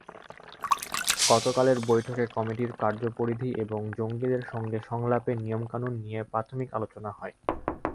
গতকালের বৈঠকে কমিটির কার্যপরিধি এবং জঙ্গিদের সঙ্গে সংলাপের নিয়মকানুন নিয়ে প্রাথমিক আলোচনা হয়।